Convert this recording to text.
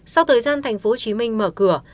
sau thời gian tp hcm mở cửa